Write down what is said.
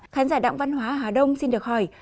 khán giả đặng văn hóa hà đông xin được hỏi